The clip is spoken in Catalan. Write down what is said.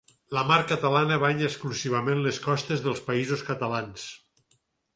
La Mar Catalana banya exclusivament les costes dels Països Catalans.